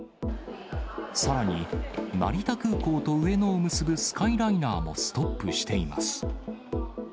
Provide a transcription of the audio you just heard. さらに、成田空港と上野を結ぶスカイライナーもストップしています。